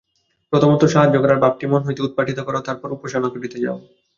প্রথমত সাহায্য করার ভাবটি মন হইতে উৎপাটিত কর, তারপর উপাসনা করিতে যাও।